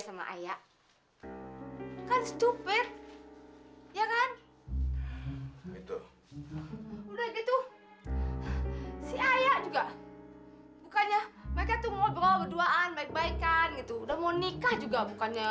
sampai jumpa di video selanjutnya